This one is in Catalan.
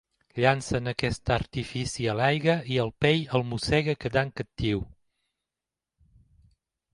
Llancen aquest artifici a l'aigua i el peix el mossega quedant captiu.